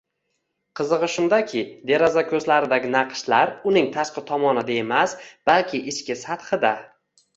Qizig‘i shundaki, deraza ko‘zlaridagi naqshlar uning tashqi tomonida emas, balki ichki sathida